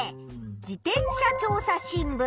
「自転車調査新聞」。